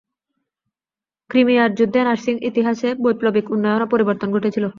ক্রিমিয়ার যুদ্ধে নার্সিং ইতিহাসে বৈপ্লবিক উন্নয়ন ও পরিবর্তন ঘটেছিল।